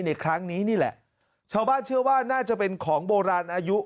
ในครั้งนี้นี่แหละชาวบ้านเชื่อว่าน่าจะเป็นของโบราณอายุ